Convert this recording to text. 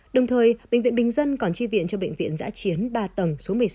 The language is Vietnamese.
đồng thời bệnh viện bình dân còn tri viện cho bệnh viện giã chiến ba tầng số một mươi sáu